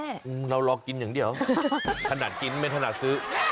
กลาฟแล้วลอกกินอย่างเดียวนะว่าถนาดกินเป็นถนาสื้อ